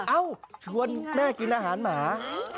เอ้าชวนแม่กินอาหารหมา